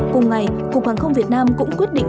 cùng ngày cục hàng không việt nam cũng quyết định